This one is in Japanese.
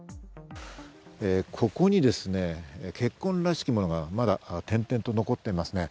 ここにですね、血痕らしきものがまだ点々と残っていますね。